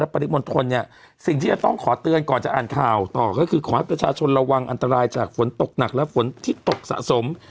ปริมณฑลเนี่ยสิ่งที่จะต้องขอเตือนก่อนจะอ่านข่าวต่อก็คือขอให้ประชาชนระวังอันตรายจากฝนตกหนักและฝนที่ตกสะสม